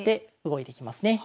動いていきますね